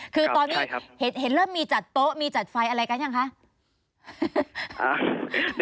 คือตอนนี้เห็นเริ่มมีจัดโต๊ะมีจัดไฟอะไรกันยังคะ